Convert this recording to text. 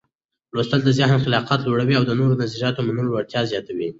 لوستل د ذهن خلاقيت لوړوي او د نوو نظریاتو منلو وړتیا زیاتوي.